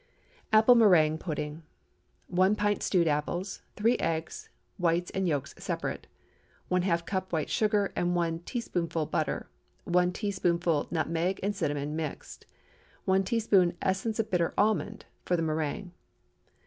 APPLE MÉRINGUE PUDDING. 1 pint stewed apples. 3 eggs—whites and yolks separate. ½ cup white sugar, and one teaspoonful butter. 1 teaspoonful nutmeg and cinnamon mixed. 1 teaspoonful essence bitter almond (for the méringue.)